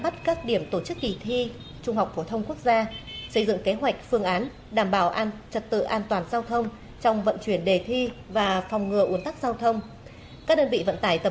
tạo an ninh trật tự và an toàn giao thông cho các thí sinh tham dự kỳ thi